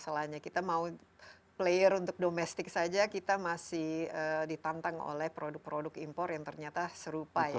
masalahnya kita mau player untuk domestik saja kita masih ditantang oleh produk produk impor yang ternyata serupa ya